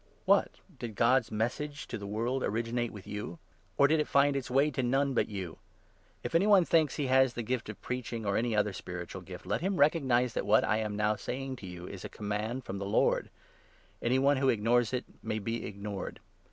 What ! did God's Message 36 to the world originate with you ? or did it find its way to none but you ? If any one thinks that he has the gift of preaching or any 37 other spiritual gift, let him recognize that what I am now saying to you is a command from the Lord. Any one who 38 ignores it may be ignored.